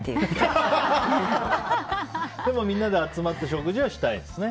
でも、みんなで集まって食事はしたいんですね。